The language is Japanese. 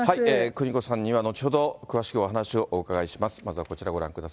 邦子さんには後ほど詳しくお話をお伺いします。